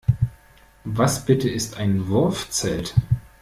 Was bitte ist ein Wurfzelt?